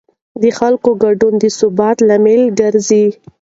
د خلکو ګډون د ثبات لامل ګرځي